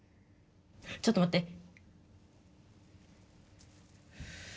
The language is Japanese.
ちょっとまって！